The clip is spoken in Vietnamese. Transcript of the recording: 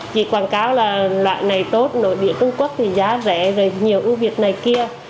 chị quảng cáo là loại này tốt nội địa trung quốc thì giá rẻ nhiều ưu việt này kia